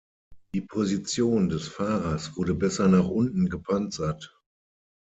Die Position des Fahrers wurde besser nach unten gepanzert.